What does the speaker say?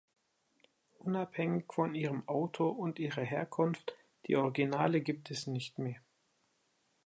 Unabhängig von ihrem Autor und ihrer Herkunft, die Originale gibt es nicht mehr.